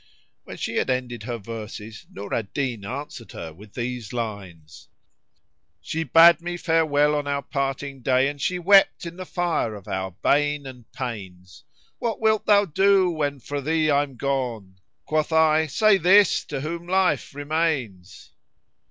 When she had ended her verses, Nur al Din answered her with these lines, "She bade me farewell on our parting day, * And she wept in the fire of our bane and pains: 'What wilt thou do when fro' thee I'm gone?' * Quoth I, 'say this to whom life remains!'"